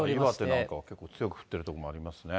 岩手なんかはちょっと強く降っている所もありますね。